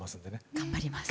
頑張ります。